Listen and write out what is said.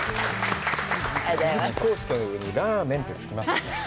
鈴木浩介さんに“ラーメン”ってつきますね。